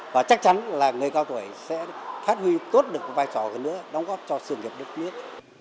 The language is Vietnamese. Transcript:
và chắc chắn là người cao tuổi sẽ phát huy tốt được vai trò hơn nữa đóng góp cho sự nghiệp đất nước